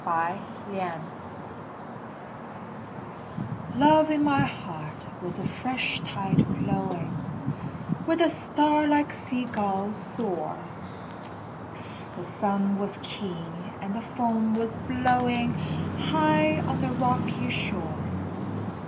Tides Love in my heart was a fresh tide flowing Where the starlike sea gulls soar; The sun was keen and the foam was blowing High on the rocky shore.